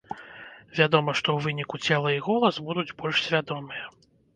Вядома, што ў выніку цела і голас будуць больш свядомыя.